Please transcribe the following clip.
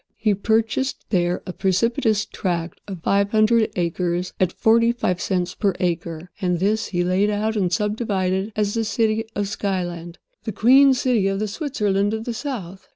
He purchased there a precipitous tract of five hundred acres at forty five cents per acre; and this he laid out and subdivided as the city of Skyland—the Queen City of the Switzerland of the South.